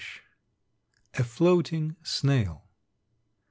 A FLOATING SNAIL.